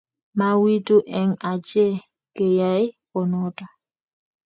mawiitu eng achek keyay kunoto